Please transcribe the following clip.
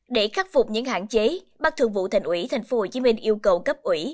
để khắc phục những hạn chế bác thượng vụ thành ủy tp hcm yêu cầu cấp ủy